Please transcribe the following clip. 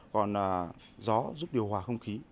còn gió giúp điều hòa không khí